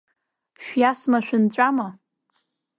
Шәиасмашәынҵәама!